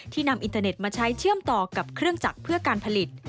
นำอินเทอร์เน็ตมาใช้เชื่อมต่อกับเครื่องจักรเพื่อการผลิต